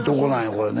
これね。